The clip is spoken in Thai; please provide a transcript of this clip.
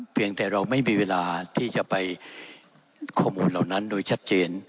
เพียงแต่เราไม่มีเวลาที่จะไปข้อมูลเหล่านั้นโดยชัดเจน